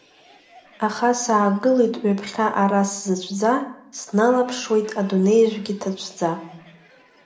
Аха саагылоит ҩаԥхьа ара сзаҵәӡа, сналаԥшуеит адунеижәгьы ҭацәӡа.